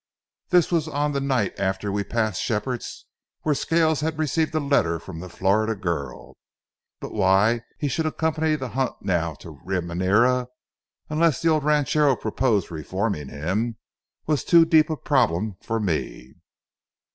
This was on the night after we passed Shepherd's, where Scales had received a letter from the Florida girl. But why he should accompany the hunt now to Remirena, unless the old ranchero proposed reforming him, was too deep a problem for me.